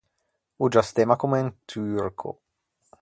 O giastemma comme un turco.